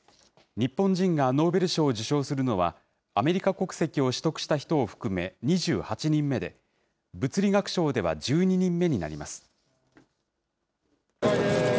日本人がノーベル賞を受賞するのは、アメリカ国籍を取得した人を含め２８人目で、物理学賞では１２人目になります。